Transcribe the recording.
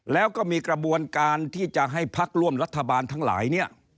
แล้วก็มีกระบวนการที่จะให้พักร่วมรัฐบาลทั้งหลายเนี่ย